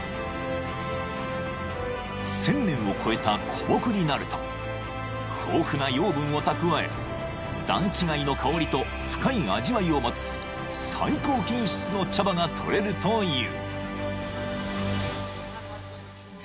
［１，０００年を超えた古木になると豊富な養分を蓄え段違いの香りと深い味わいを持つ最高品質の茶葉がとれるという］